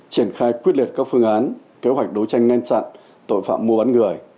triển khai quyết liệt các phương án kế hoạch đấu tranh ngăn chặn tội phạm mua bán người